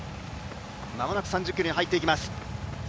間もなく３０ｋｍに入ってきます。